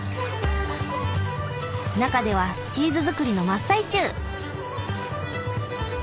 中ではチーズ作りの真っ最中。